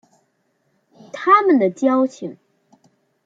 以他们的交情